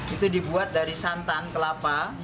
itu dibuat dari santan kelapa